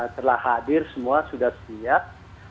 telah hadir semua sudah siap